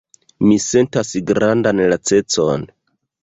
Mi sentas grandan lacecon.“